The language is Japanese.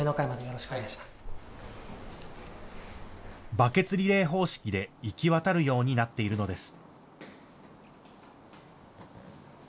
バケツリレー方式で行き渡るようになっているのです。